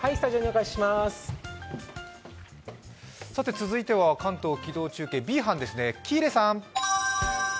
続いては関東機動中継、Ｂ班ですね、喜入さん。